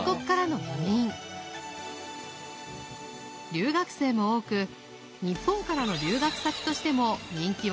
留学生も多く日本からの留学先としても人気はナンバーワン！